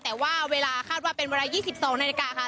แต่ว่าเวลาคาดว่าเป็นเวลา๒๒นาฬิกาค่ะ